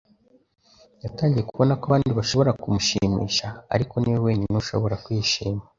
yatangiye kubona ko abandi bashobora kumushimisha, ariko ni we wenyine ushobora kwishima.